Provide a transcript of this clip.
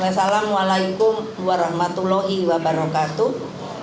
wassalamualaikum warahmatullahi wabarakatuh